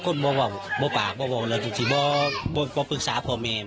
ก็มันพรึกษา